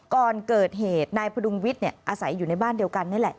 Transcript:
ก่อนเกิดเหตุนายพดุงวิทย์อาศัยอยู่ในบ้านเดียวกันนี่แหละ